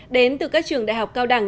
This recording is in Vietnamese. đến từ các trường đại học cao đẳng